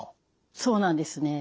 そうなんですね。